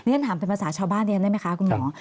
ฉันถามเป็นภาษาชาวบ้านเรียนได้ไหมคะคุณหมอ